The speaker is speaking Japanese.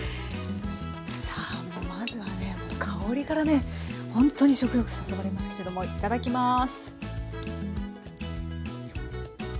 さあまずはね香りからねほんとに食欲誘われますけれどもいただきます。